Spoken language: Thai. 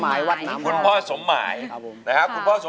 อายุ๒๔ปีวันนี้บุ๋มนะคะ